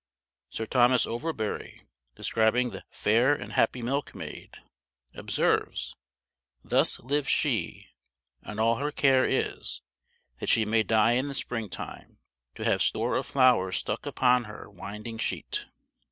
Sir Thomas Overbury, describing the "faire and happy milkmaid," observes, "thus lives she, and all her care is, that she may die in the spring time, to have store of flowers stucke upon her winding sheet."